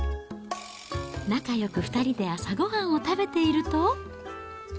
仲よく２人で朝ごはんを食べていると。